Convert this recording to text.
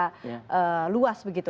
secara luas begitu